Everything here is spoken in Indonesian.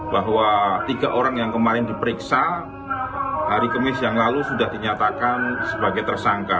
bahwa tiga orang yang kemarin diperiksa hari kemis yang lalu sudah dinyatakan sebagai tersangka